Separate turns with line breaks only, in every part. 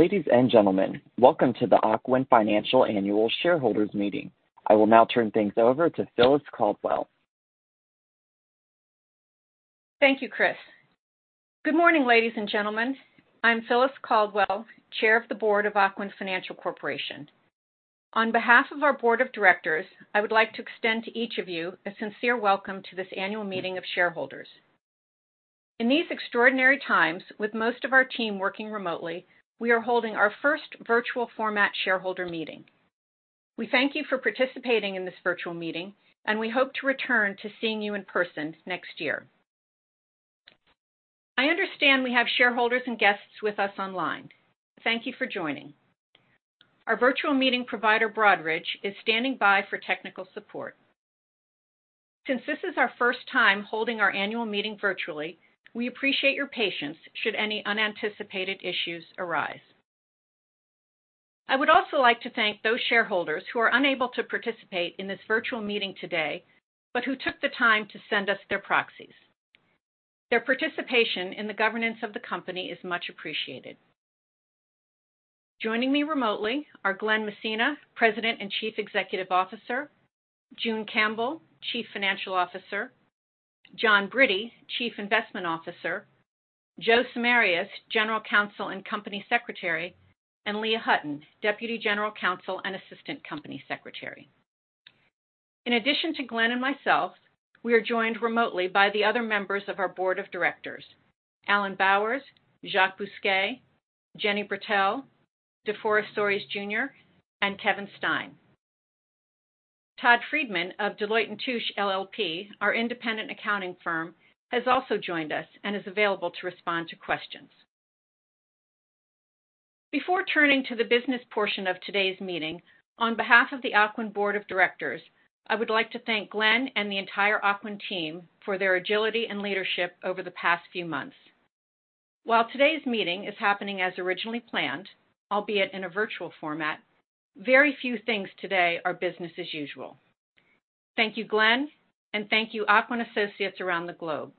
Ladies and gentlemen, welcome to the Ocwen Financial Annual Shareholders Meeting. I will now turn things over to Phyllis Caldwell.
Thank you, Chris. Good morning, ladies and gentlemen. I'm Phyllis Caldwell, Chair of the Board of Ocwen Financial Corporation. On behalf of our board of directors, I would like to extend to each of you a sincere welcome to this annual meeting of shareholders. In these extraordinary times, with most of our team working remotely, we are holding our first virtual format shareholder meeting. We thank you for participating in this virtual meeting, and we hope to return to seeing you in person next year. I understand we have shareholders and guests with us online. Thank you for joining. Our virtual meeting provider, Broadridge, is standing by for technical support. Since this is our first time holding our annual meeting virtually, we appreciate your patience should any unanticipated issues arise. I would also like to thank those shareholders who are unable to participate in this virtual meeting today, but who took the time to send us their proxies. Their participation in the governance of the company is much appreciated. Joining me remotely are Glen Messina, President and Chief Executive Officer, June Campbell, Chief Financial Officer, John Britti, Chief Investment Officer, Joe Samarias, General Counsel and Company Secretary, and Leah Hutton, Deputy General Counsel and Assistant Company Secretary. In addition to Glen and myself, we are joined remotely by the other members of our board of directors, Alan Bowers, Jacques Busquet, Jenne Britell, DeForest Soaries Jr., and Kevin Stein. Todd Friedman of Deloitte & Touche LLP, our independent accounting firm, has also joined us and is available to respond to questions. Before turning to the business portion of today's meeting, on behalf of the Ocwen Board of Directors, I would like to thank Glen and the entire Ocwen team for their agility and leadership over the past few months. While today's meeting is happening as originally planned, albeit in a virtual format, very few things today are business as usual. Thank you, Glen, and thank you Ocwen associates around the globe.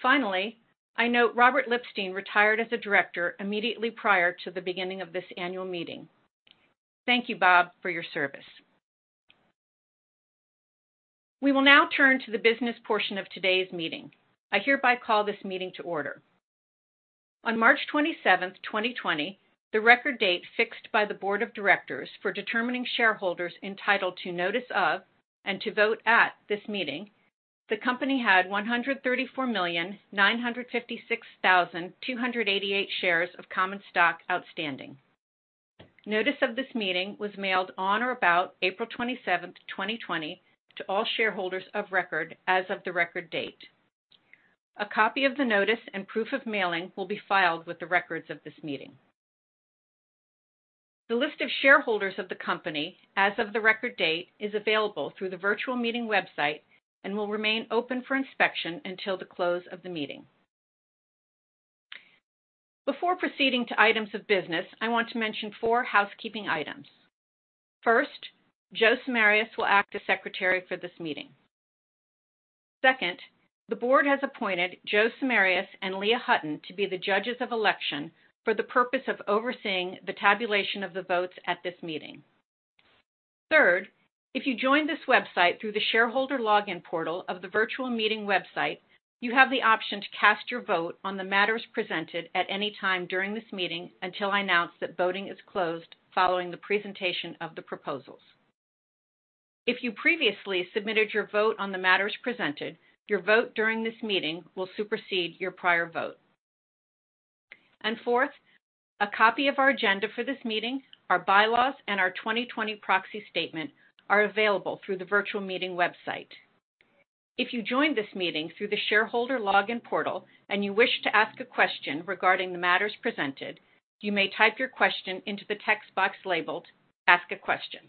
Finally, I note Robert Lipstein retired as a Director immediately prior to the beginning of this annual meeting. Thank you, Bob, for your service. We will now turn to the business portion of today's meeting. I hereby call this meeting to order. On March 27th, 2020, the record date fixed by the Board of Directors for determining shareholders entitled to notice of and to vote at this meeting, the company had 134,956,288 shares of common stock outstanding. Notice of this meeting was mailed on or about April 27th, 2020, to all shareholders of record as of the record date. A copy of the notice and proof of mailing will be filed with the records of this meeting. The list of shareholders of the company as of the record date is available through the virtual meeting website and will remain open for inspection until the close of the meeting. Before proceeding to items of business, I want to mention four housekeeping items. First, Joe Samarias will act as secretary for this meeting. Second, the board has appointed Joe Samarias and Leah Hutton to be the judges of election for the purpose of overseeing the tabulation of the votes at this meeting. Third, if you join this website through the shareholder login portal of the virtual meeting website, you have the option to cast your vote on the matters presented at any time during this meeting until I announce that voting is closed following the presentation of the proposals. If you previously submitted your vote on the matters presented, your vote during this meeting will supersede your prior vote. Fourth, a copy of our agenda for this meeting, our bylaws, and our 2020 proxy statement are available through the virtual meeting website. If you join this meeting through the shareholder login portal and you wish to ask a question regarding the matters presented, you may type your question into the text box labeled Ask a Question.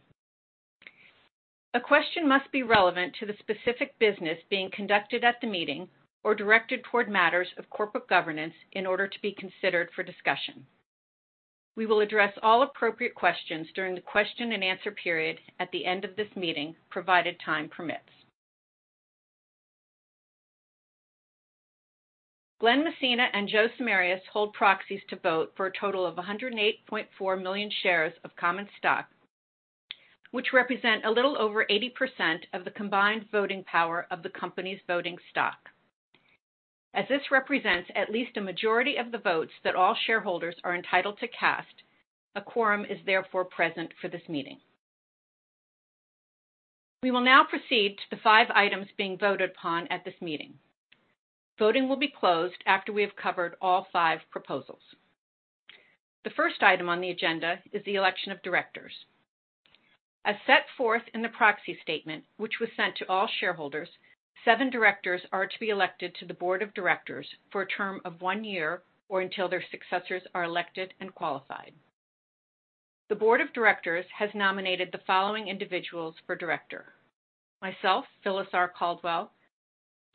A question must be relevant to the specific business being conducted at the meeting or directed toward matters of corporate governance in order to be considered for discussion. We will address all appropriate questions during the question and answer period at the end of this meeting, provided time permits. Glen Messina and Joe Samarias hold proxies to vote for a total of 108.4 million shares of common stock, which represent a little over 80% of the combined voting power of the company's voting stock. As this represents at least a majority of the votes that all shareholders are entitled to cast, a quorum is therefore present for this meeting. We will now proceed to the five items being voted upon at this meeting. Voting will be closed after we have covered all five proposals. The first item on the agenda is the election of directors. As set forth in the proxy statement, which was sent to all shareholders, seven directors are to be elected to the board of directors for a term of one year or until their successors are elected and qualified. The board of directors has nominated the following individuals for director: myself, Phyllis R. Caldwell,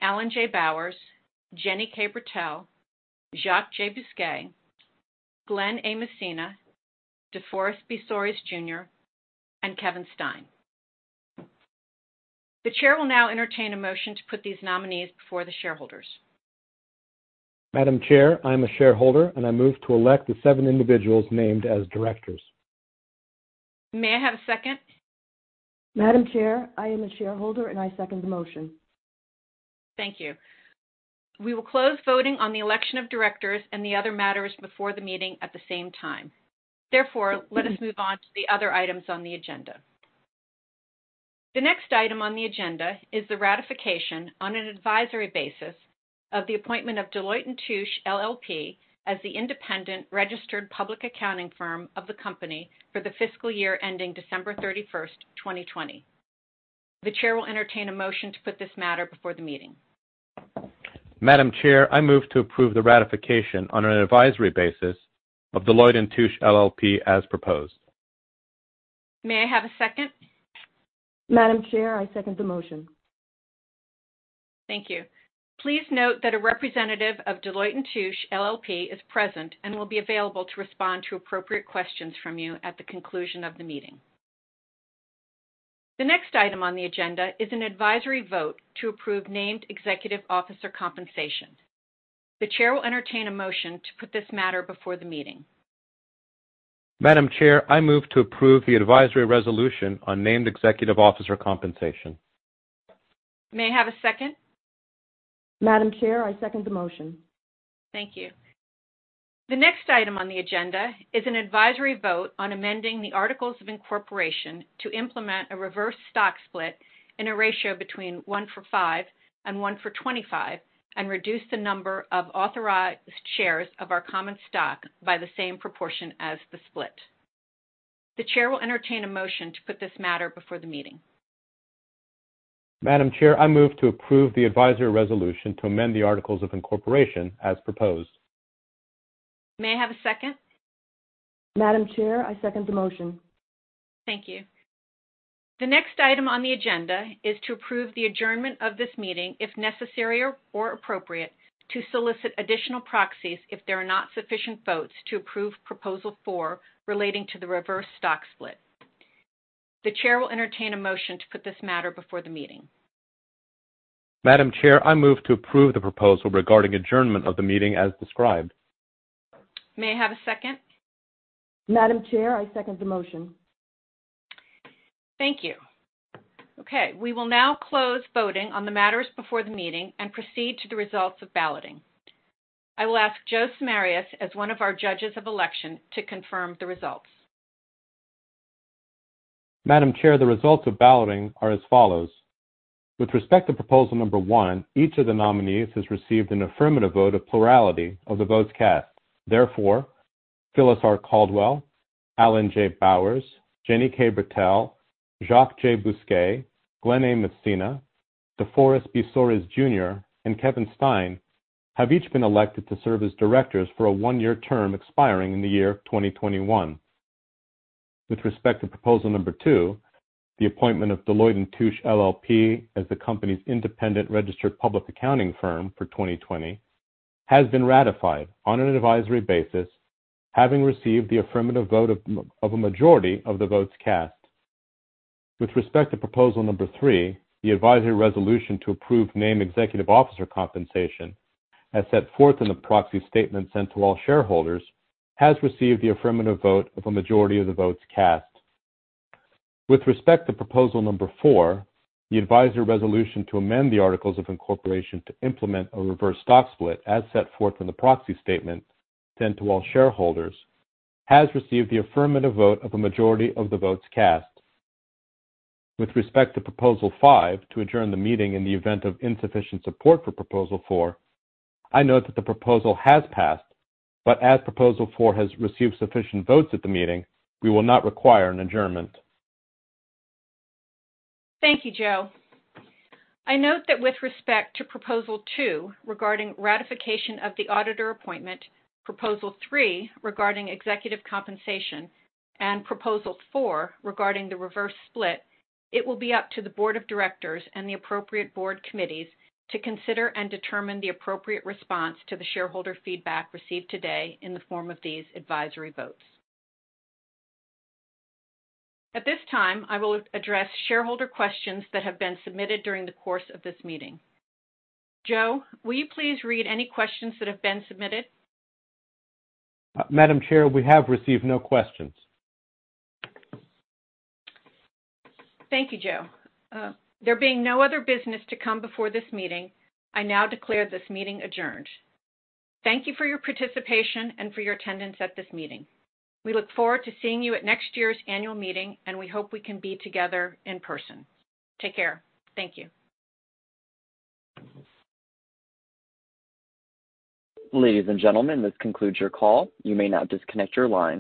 Alan J. Bowers, Jenne K. Britell, Jacques J. Busquet, Glen A. Messina, DeForest B. Soaries Jr., and Kevin Stein. The chair will now entertain a motion to put these nominees before the shareholders.
Madam Chair, I am a shareholder, and I move to elect the seven individuals named as directors.
May I have a second?
Madam Chair, I am a shareholder, and I second the motion.
Thank you. We will close voting on the election of directors and the other matters before the meeting at the same time. Therefore, let us move on to the other items on the agenda. The next item on the agenda is the ratification on an advisory basis of the appointment of Deloitte & Touche LLP as the independent registered public accounting firm of the company for the fiscal year ending December 31st, 2020. The chair will entertain a motion to put this matter before the meeting.
Madam Chair, I move to approve the ratification on an advisory basis of Deloitte & Touche LLP as proposed.
May I have a second?
Madam Chair, I second the motion.
Thank you. Please note that a representative of Deloitte & Touche LLP is present and will be available to respond to appropriate questions from you at the conclusion of the meeting. The next item on the agenda is an advisory vote to approve named executive officer compensation. The chair will entertain a motion to put this matter before the meeting.
Madam Chair, I move to approve the advisory resolution on named executive officer compensation.
May I have a second?
Madam Chair, I second the motion.
Thank you. The next item on the agenda is an advisory vote on amending the articles of incorporation to implement a reverse stock split in a ratio between 1:5 and 1:25, and reduce the number of authorized shares of our common stock by the same proportion as the split. The chair will entertain a motion to put this matter before the meeting.
Madam Chair, I move to approve the advisory resolution to amend the articles of incorporation as proposed.
May I have a second?
Madam Chair, I second the motion.
Thank you. The next item on the agenda is to approve the adjournment of this meeting, if necessary or appropriate, to solicit additional proxies if there are not sufficient votes to approve proposal four relating to the reverse stock split. The chair will entertain a motion to put this matter before the meeting.
Madam Chair, I move to approve the proposal regarding adjournment of the meeting as described.
May I have a second?
Madam Chair, I second the motion.
Thank you. Okay, we will now close voting on the matters before the meeting and proceed to the results of balloting. I will ask Joe Samarias, as one of our judges of election, to confirm the results.
Madam Chair, the results of balloting are as follows. With respect to proposal number one, each of the nominees has received an affirmative vote of plurality of the votes cast. Therefore, Phyllis R. Caldwell, Alan J. Bowers, Jenne K. Britell, Jacques J. Busquet, Glen Messina, DeForest B. Soaries Jr., and Kevin Stein have each been elected to serve as directors for a one-year term expiring in the year 2021. With respect to proposal number two, the appointment of Deloitte & Touche LLP as the company's independent registered public accounting firm for 2020 has been ratified on an advisory basis, having received the affirmative vote of a majority of the votes cast. With respect to proposal number three, the advisory resolution to approve named executive officer compensation, as set forth in the proxy statement sent to all shareholders, has received the affirmative vote of a majority of the votes cast. With respect to proposal number four, the advisory resolution to amend the articles of incorporation to implement a reverse stock split, as set forth in the proxy statement sent to all shareholders, has received the affirmative vote of a majority of the votes cast. With respect to proposal five, to adjourn the meeting in the event of insufficient support for proposal four, I note that the proposal has passed, but as proposal four has received sufficient votes at the meeting, we will not require an adjournment.
Thank you, Joe. I note that with respect to proposal two regarding ratification of the auditor appointment, proposal three regarding executive compensation, and proposal four regarding the reverse split, it will be up to the board of directors and the appropriate board committees to consider and determine the appropriate response to the shareholder feedback received today in the form of these advisory votes. At this time, I will address shareholder questions that have been submitted during the course of this meeting. Joe, will you please read any questions that have been submitted?
Madam Chair, we have received no questions.
Thank you, Joe. There being no other business to come before this meeting, I now declare this meeting adjourned. Thank you for your participation and for your attendance at this meeting. We look forward to seeing you at next year's annual meeting. We hope we can be together in person. Take care. Thank you.
Ladies and gentlemen, this concludes your call. You may now disconnect your line.